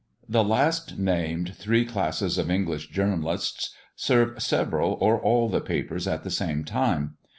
The last named three classes of English journalists serve several or all the papers at the same time.